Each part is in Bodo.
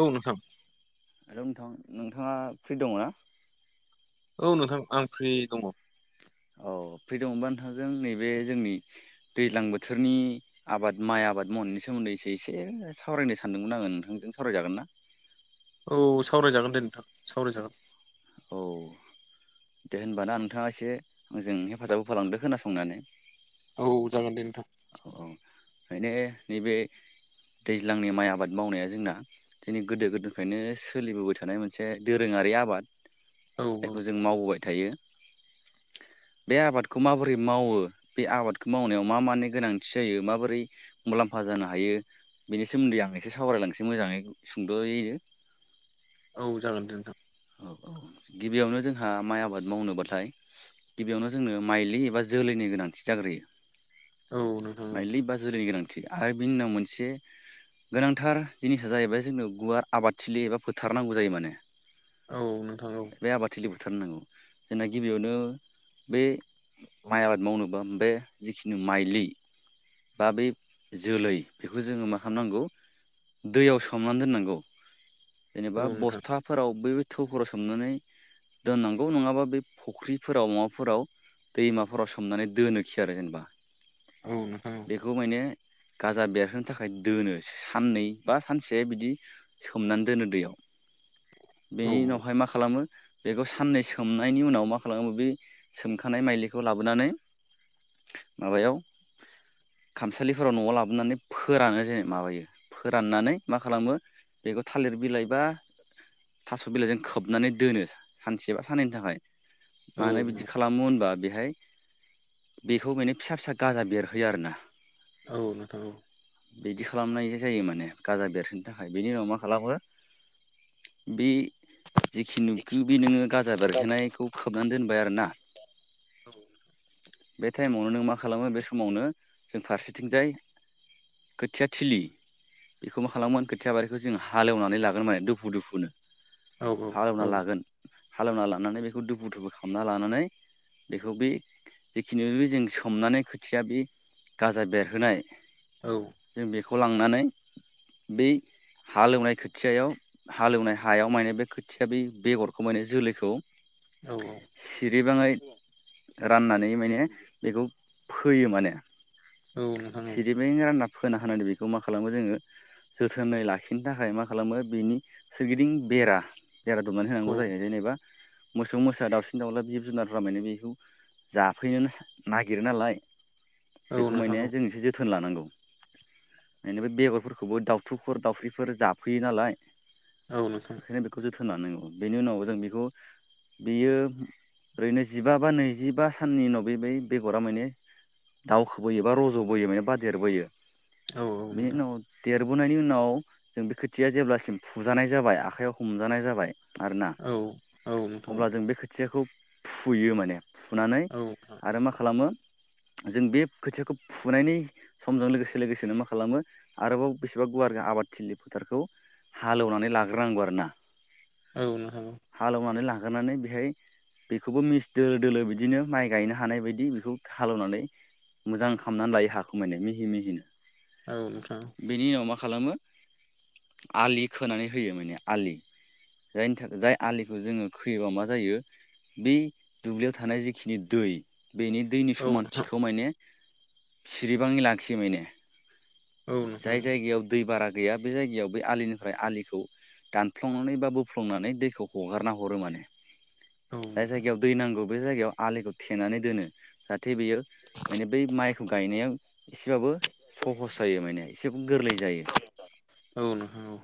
औ नोंथां र' नोंथां नोंथाङा फ्रि दङ ना औ नोंथां आं फ्रि दङ औ फ्रि दङबा नोंथांजों नैबे जोंनि दैज्लां बोथोरनि आबाद माइ आबाद। मननि सोमोन्दै एसे एसे सावरायनो सानदोंमोन आङो नोंथांजों सावरायजागोन ना? औ सावरायजागोन दे नोंथां सावरायजागोन। औ। दे होनबाना नोंथाङा एसेजों हेफाजाब होफालांदो खोनासंनानै औ जागोन दे नोंथां ओनो नैबे दैज्लांनि माइ आबाद मावनाया जोंना दिनै गोदो गोदायनिफ्रायनो सोलिबोबाय थानाय मोनसे दोरोङा। आरि आबाद औ औ जायखौ जों मावबोबाय थायो बे आबादखौ माबोरै मावो? बे आबादखौ मावनायाव मा मानि गोनांथि जायो माबोरै मुलाम्फा जानो हायो। बेनि सोमोन्दै आं एसे सावरायलांनोसै मोजाङै सुंद'योयै औ जागोनदो नोंथां। औ औ गिबियावनो जोंहा माइ आबाद मावनोबाथाय गिबियावनो जोंनो माइलि एबा जोलैनि गोनांथि जाग्रोयो औ नोंथां माइलि बा जोलैनि गोनांथि आरो बिनि उनाव मोनसे गोनांथार जिनिसा जाहैबाय जोंनो गुवार आबादथिलि एबा फोथार नांगौ जायो माने औ नोंथां औ। बुथारनांगौ जोंनाखि गिबियावनो बे माइ आबाद मावनोबा बे जिखिनि माइलि बा बै जोलै बेखौ जोङो मा खालाम नांगौ दैयाव सोमनानै दोननांगौ जेनेबा औ नोंथां बस्थाफोराव दो थौफोराव सोमनानै दोननांगौ नङाबा बे फुख्रिफोराव माबा फोराव दैमाफोराव सोमनानै दोनो खियो आरो होनबा औ नोंथां औ। गाजा बेरहोनो थाखाय दोनो साननै बा सानसे बिदि सोमनानै दोनो दैयाव औ बेनि उनावहाय मा खालामो बेखौ साननै सोमनायनि उनाव मा खालामो बे सोमखानाय माइलिखौ लाबोनानै माबायाव खामसालिफोराव न'आव लाबोनानै फोरानो जेन माबायो फोराननानै मा खालामो बेखौ थालिर बिलाइ बा थास' बिलाइजों खोबनानै दोनो सानसे बा सानैैनि थाखाय औ मानो बिदि खालामो होनबा बे हाय बेखौ माने फिसा फिसा गाजा बेरहोयो आरो ना औ नोथार औ खालामनाय जायो माने गाजा बेरसोननो थाखाय बेनि उनाव मा खालामो बे जेखिनि नुबखो बे नोङो गाजा बेरहोनायखौ खोबनानै दोनबाय आरोना औ। बे टाइमावनो नों मा खालामो बे समावनो जों फारसेथिंजाय खोथियाथिलि बेखौ मा खालामोमोन खोथिया बारिखौ जोङो हालेवनानै लागोन माने दुफु दुफुनो औ हालेवना नोंथां औ नोंथां औ लागोन हालेवना लानानै बेखौ दुफु दुफु खालामना लानानै बेखौ बे जिखिनि जों सोमनानै खोथिया बे गाजा बेरहोनाय नोंथां औ नोंथां औ नोंथां औ नोंथां जों बेखौ लांनानै बै हालौवनाय खोथियाव हालौवनाय हायाव माने बे खोथिया बे बेगरखौ माने जोलैखौ औ सिरिबाङै राननानै माने बेखौ फोयो माने- सिरिबिं रानलाब फोना होनानानै बेखौ मा खालामो जोङो जोथोनै लाखिनो थाखाय मा खालामो बिनि सोरगिदिं बेरा बेरा दुमनानै होनांगौ जायो जेनेबा। मोसौ मोसा दाउसिन दाउला जिब जुनारफोरा माने बेखौ जाफैनो नागिरो नालाय। बेखौ माने जों इसे जोथोन लानांगौ। बेनिफ्राय बेगरफोरखौबो दाउथुफोर दाउफ्रिफोर जाफैयो नालाय। ओंखायनो बेखौ जोथोन लानांगौ बेनि उनाव जों बेखौ। बेयो ओरैनो जिबा बा नैजिबा साननि उनाव बे बै बेगरा माने। दाउखोबोयोबा रज'बोयो माने बाजेरबोयो। बेनि उनाव देरबोनायनि उनाव जों बे खोथिया जेब्लासिम। फुजानाय जाबाय आखाइयाव हमजानाय जाबाय। आरोना औ। अब्ला जों बे खोथियाखौ फुयो माने फुनानै आरो मा खालामो जों बे खोथियाखौ फुनायनि समजों लोगोसे लोगोसेनो मा खालामो आरोबाव बेसेबा गो आरो आबाद थिलि फोथारखौ हालेवनानै लाग्रोनांगौ आरोना। औ नों थां औ। नागारनानै बेहाय- बेखौबो मिस दोलो दोलो बिदिनो माइ गायनो हानाय बायदि बेखौ हालेवनानै। मोजां खामनानै लायो हाखौ माने हा मिहि मिहिनो औ नोंथां। बेनि उनाव मा खालामो आलि खोनानै होयो माने आलि। जायनि थाखाय जाय आलिखौ जोङो खोयोबा मा जायो। बे दुब्लियाव थानाय जिखिनि दै बेनि दैनि औ समानथिखौ माने सिरिबां लाखियो माने। जाय जायगायाव दै बारा गैया बे जायगायाव बै आलिनिफ्राय आलिखौ दानफ्लंनानै बा बोफ्लंनानै दैखौ हगारना हरो माने। जाय जायगायाव दै नांगौ बे जायगायाव आलिखौ थेनानै दोनो जाहाथे बेयो माने बै माइखौ गायनायाव एसेबाबो सहस जायो माने एसेबाबो गोरलै जायो। [inaudible] औ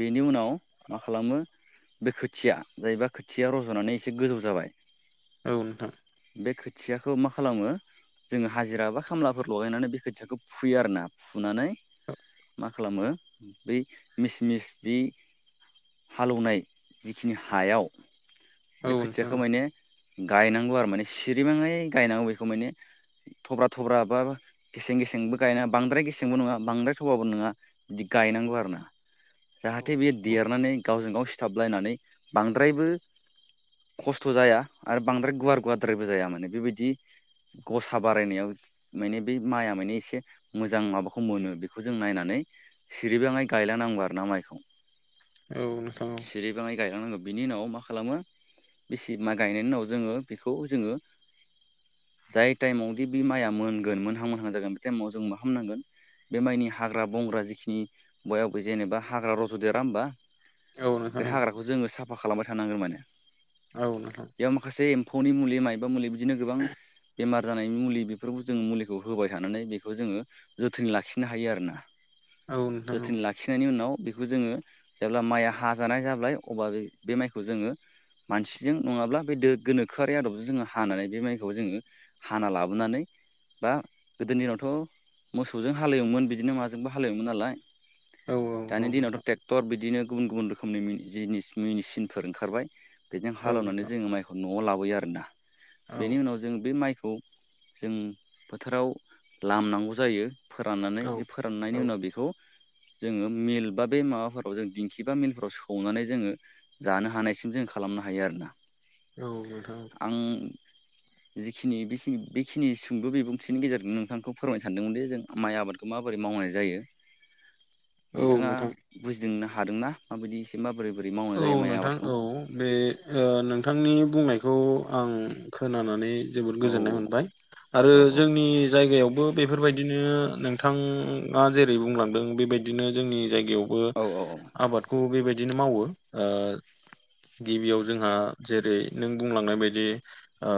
बेनि उनाव मा खालामो बे खोथिया जायोबा खोथिया रज'नानै एसे गोजौ जाबाय औ नोंथां। बे खोथियाखौ मा खालामो। जोङो हाजिरा बा खामलाफोर लगायनानै बे खोथियाखौ फुयो आरो ना फुनानै मा खालामो बै मिस मिस बे हालेवनाय जिखिनि हायाव औ बे नोंथां खोथियाखौ माने गायनांगौ आरो माने सिरिबाङै गायनांगौ बेखौ माने थब्रा थब्रा बा गेसें गेसेंबो गायना बांद्राय गेसेंबो नङा बांद्राय थबाबो नङा दि गायनांगौ आरोना जाहाथे बेयो औ देरनानै गावजों गाव सिथाबलायनानै बांद्रायबो खस्थ' जाया आरो बांद्राय गुवार गुवारद्रायबो जाया माने बेबायदि गसा बारायनायाव माने बे माइआ माने एसे मोजां माबाखौ मोनो बेखौ जों नायनानै सिरिबाङै गायला नांबार ना माइखौ। औ नोंथां औ। सिरिबाङै गायलांनांगौ बिनि उनाव मा खालामो बेसि माइ गायनायनि उनाव जोङो बेखौ जोङो जाय टाइमावदि बे माइया मोनगोन मोनहां मोनहां जागोन बे टाइमाव जों मा खामनांगोन बे माइनि हाग्रा बंग्रा जिखि नि बय आब जेनेबा हाग्रा रज'देरा होमबा, औ नोंथां बे औ हाग्राखौ जोङो साफ साफा खालामबाय थानांगोन माने। औ नोंथां। फौनि मुलि मायबा मुलि बिदिनो गोबां बेमार जानायनि मुलि बेफोरखौ जों मुलिखौ होबाय थानानै बेखौ जोङो जोथोनै लाखिनो हायो आरोना। औ नोंथां जोथोन औ लाखिनायनि उनाव बेखौ जोङो जेब्ला माइआ हाजानाय जाबाय अब्ला जों बे माइखौ जोङो मानसिजों नङाब्ला बे दो गोनोखोआरि आदबजों जोङो हानानै बे माइखौ जोङो हाना लाबोनानै बा गोदोनि दिनावथ' मोसौजों हालेवोमोन बिदिनो माजोंबो हालेवोमोन नालाय औ औ नोंथां दानि दिनावथ' ट्रेक्टर बिदिनो गुबुन गुबुन रोखोमनि जिनिस मेचिनफोर ओंखारबाय। बेजों औ हालेवनानै नोंथां जोङो माइखौ न'आव लाबोयो आरोना बेनि उनाव जों बे माइ खौ जों फोथाराव लामनांगौ जायो। फोराननानै औ बे फोराननायनि उनाव बेखौ जोङो मिल बा बे माबाफोराव जों दिंखि बा मिलफोराव सौनानै जोङो जानो हानायसिम जों जों खालामनो हायो आरोना। औ नोंथां। आं जिखिनि बेखिनि सुंद' बिबुंथिनि गेजेरजों नोंथांखौ फोरमायनो सानदोंमोन जे जों माइ आबादखौ माबोरै मावनाय जायो औ नोंथाङा नोंथां बुजिदोंनो हादोंना? माबायदि एसे माब औ नोंथां औ बे ओ नोंथांनि बुंनायखौ आं खोनानानै जोबोद औ गोजोननाय मोनबाय आरो औ जोंनि जायगायाव बो बेफोरबायदिनो नोंथाङा जेरै बुंलांदों बेबायदिनो जोंनि जायगायावबो औ औ आबादखौ बेबायदिनो मावो। ओ गिबियाव जोंहा जेरै नों बुंलांनाय बायदि ओ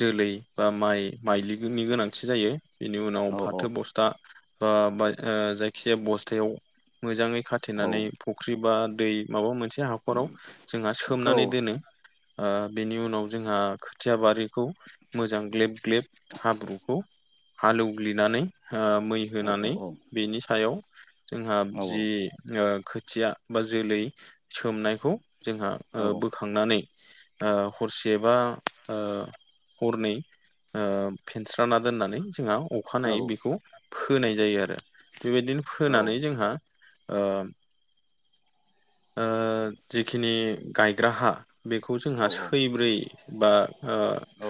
जोलै बा माइ माइलिनि गोनांथि जायो। बेनि उनाव औ फाथो बस्था बा जायखिजाया बस्थायाव मोजाङै औ खाथेनानै फुख्रि बा दै माबा मोनसे हाखराव जोंहा औ सोमनानै दोनो। ओ बेनि उनाव जोंहा खोथिया बारिखौ मोजां ग्लेब ग्लेब हाब्रुखौ हालेवग्लिनानै ओ मै होनानै बेनि सायाव जोंहा औ औ जि ओ खोथिया बा जोलै सोमनायखौ जोंहा औ ओ बोखांनानै ओ हरसे बा ओ हरनै ओ फेनस्रा ना दोननानै जोंहा अखानायै बेखौ फोनाय जायो आरो। बेबायदिनो फोनानै जोंहा ओ ओ जिखिनि गायग्रा हा बेखौ जोंहा सैब्रै बा ओ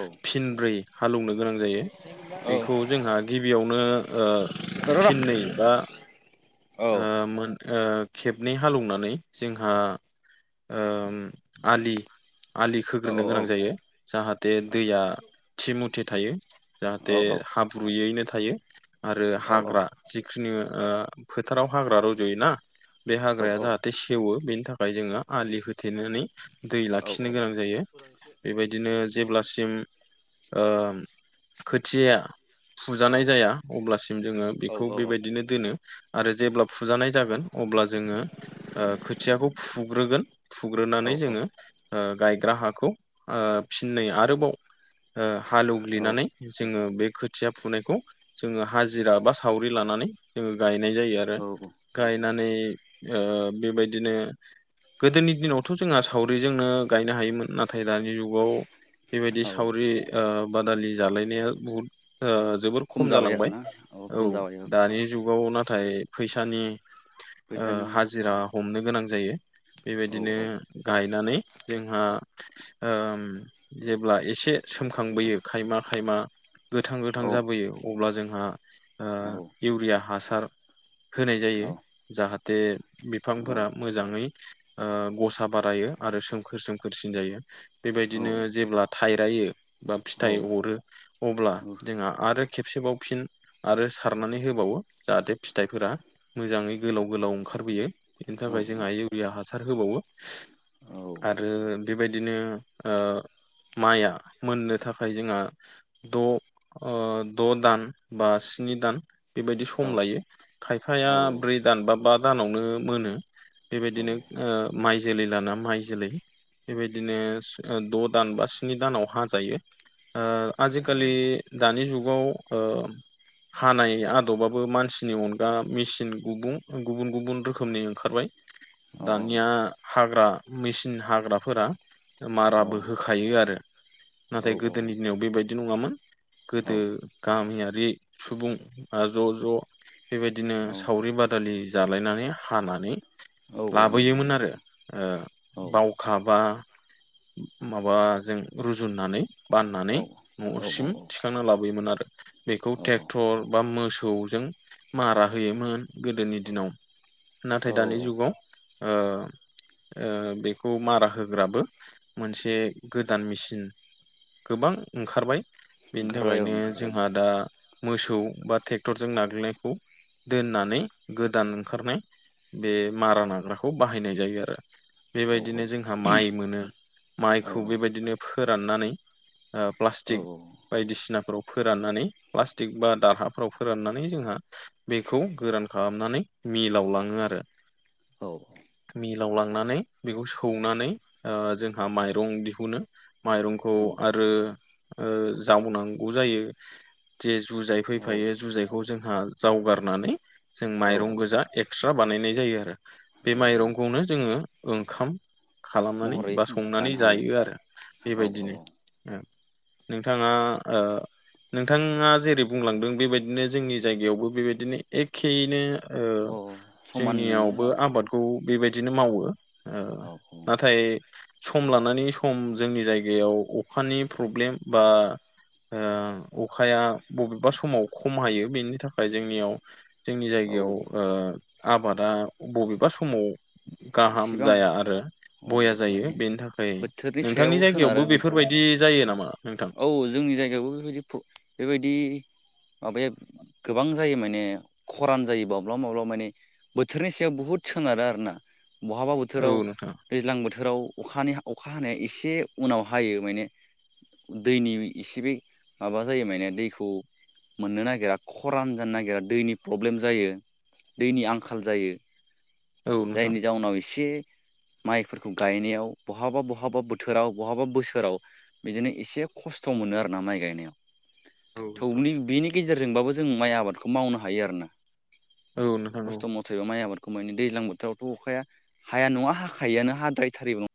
औ फिनब्रै हालौनो गोनां जायो। औ बेखौ जोंहा गिबियावनो ओ र' र' फिननै बा औ औ आ मोन ओ खेबनै हालौनानै जोंहा ओम आलि आलि औ खोग्रोनो औ औ गोनां जायो जाहाथे दैया थि मथे थायो। औ जाहाथे हाब्रुयैनो थायो आरो हाग्रा जिखुनु ओ फोथाराव हाग्रा रज'योना बे हाग्राया जाहाथे सेवो बेनि थाखाय जोङो आलि होथेनानै दै लाखिनो गोनां जायो। बेबायदिनो जेब्लासिम ओ खोथियाया फुजानाय जाया अब्लासिम जोङो बेखौ बेबायदिनो दोनो। आरो जेब्ला फुजानाय जागोन अब्ला जोङो ओ खोथियाखौ फुग्रोगोन फुग्रोनानै जोङो ओ गायग्रा हाखौ ओ फिन्नै आरोबाव ओ हालौग्लिनानै जोङो बे खोथिया फुनायखौ जोङो हाजिरा बा सावरि लानानै जोङो गाय नाय जायो आरो औ गायनानै ओ बेबायदिनो गोदोनि दिनावथ' जोंहा सावरिजोंनो गायनो हायोमोन नाथाय दानि जुगाव बेबायदि औ सावरि ओ बादालि जालायनाया बुहुद ओ जोबोर खम जाबाय जालांबाय आरोना औ खम जाबाय दानि जुगाव ना थाय फैसानि ओ फैसानि हाजिरा हमनो गोनां जायो। औ बेबायदिनो औ गायनानै जोंहा ओम जेब्ला एसे सोमखांबोयो खायमा खायमा गोथां गोथां औ जाबोयो अब्ला जोंहा ओ औ इउरिया हासार होनाय जायो औ जाहाथे बिफांफोरा मोजाङै ओ गसा बारायो आरो सोमखोर सोमखोरसिन जायो बेबायदिनो औ जेब्ला थाइरायो बा फिथाइ अरो अब्ला जोंहा आरो खेबसेबाव फिन आरो सारनानै होबावो जाहाथे फिथाइफोरा मोजाङै गोलाव गोलाव ओंखारबोयो बेनि औ थाखाय औ जोंहा इउरिया हासार होबावो औ आरो बेबायदिनो ओ माइआ मोननो थाखाय जोंहा द' ओ द' दान बा स्नि दान बेबायदि सम लायो खायफाया ब्रै दान बा बा दानावनो मोनो। बेबायदिनो ओ माइ जोलै लाना माइ जोलै बेबायदिनो द' दान बा स्नि दानाव हाजायो। ओ आजिखालि दानि जुगाव ओ हानाय आदबाबो मानसि नि अनगा मेचिन गुबु-गुबुन गुबुन रोखोमनि ओंखारबाय दानिया हाग्रा मेचिन हाग्राफोरा माराबो होखायो आरो। नाथाय औ गोदोनि दिनाव बेबाय दि नङामोन औ गोदो गामियारि सुबुं आ ज' ज' बेबायदिनो औ सावरि बादालि जालायनानै हानानै औ औ नंगौ नंगौ लाबोयोमोन उम। आरो ओ बावखा बा माबाजों रुजुननानै औ बाननानै औ न'सिम थिखांना लाबोयोमोन आरो। बेखौ औ ट्रेक्टर बा मोसौजों मारा होयोमोन गोदोनि दिनाव नाथाय दानि औ जुगाव ओ ओ बेखौ मारा होग्राबो मोनसे गोदान मेचिन गोबां ओंखारबाय बेनि ओंखारबाय औ थाखायनो ओंखारबाय जोंहा दा मोसौ बा ट्रेक्टरजों नाग्लिनायखौ दोननानै गोदान ओंखारनाय बे मारा नाग्राखौ बाहायनाय जायो आरो। औ बेबायदिनो जोंहा माइ मोनो औ माइखौ बेबायदिनो फोराननानै ओ औ प्लासटिक बायदिसिनाफोराव फोराननानै प्लास्टिक बा दारहाफ्राव फोराननानै जोंहा बेखौ गोरान खालामनानै मिलाव लाङो आरो। औ। मिलाव लांनानै बेखौ सौनानै ओ जोंहा माइरं दिहुनो माइरंखौ आरो ओ जावनांगौ जायो जे जुजाइ फैफायो जुजाइखौ जोंहा जावगारनानै जों माइरं गोजा ए क्सट्रा बानायनाय जायो आरो बे माइरंखौनो जोङो ओंखाम खालामनानै महरै बा संनानै जानो हायो जायो आरो औ औ बेबायदिनो ओ। नोंथाङा ओ नोंथाङा जेरै बुंलांदों बेबायदिनो जोंनि जायगायावबो बेबायदिनो एखेयैनो अ समानैनो जोंनियावबो आबाद खौ बेबायदिनो मावो ओ औ औ नाथाय सम लानानै सम जोंनि जायगा बेयाव अखानि प्रब्लेम बा ओ अखाया बबेबा समाव खम हायो बिनि थाखाय जोंनियाव जोंनि औ जायगायाव ओ आबादा बबेबा समाव गाहाम इसेबां जाया आरो अ ब'या जायो माने बेनि थाखाय बोथोरनि सायाव नोंथांनि सोनारो जायगायावबो बेफोरो बेफोरबायदि जायो नामा नोंथां औ जोंनि जायगायावबो बेबायदि बेबायदि माबेब गोबां जायो माने खरान जायोबाब्लाबा माब्लाबा माने बोथोरनि सायाव बुहुद सोनारो आरोना बहाबा बोथोराव औ नोंथां दैज्लां बोथोराव अखानि अखा हानाया इसे उनाव हायो माने दैनि इसे बे माबा जायो माने दैखौ मोननो नागिरा खरान जानो नागिरा दैनि प्रब्लेम जायो। दैनि आंखाल जायो। औ नोंथां जायनि जाउनाव इसे माइफोरखौ गायनायाव बहाबा बहाबा बोथोराव बहाबा बोसोराव बिदिनो इसे खस्थ' मोनो आरोना माइ गायनायाव। औ नोंथां थौनि बेनि गेजेरजोंबाबो जों माइ आबादखौ मावनो हायो आरोना। औ नोंथां औ खस्थ' मथैबा माइ आबार खौमानि दैज्लां बोथोरावथ' अखाया हाया नङा हाखायोआनो हाद्रायथारैबो नङा